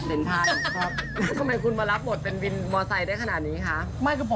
เทนทรายทำไมคุณมารับโหมดเป็นวินมอเบอร์ไซด์ได้ขนาดนี้คะ